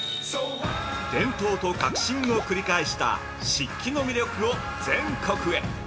◆伝統と革新を繰り返した漆器の魅力を全国へ。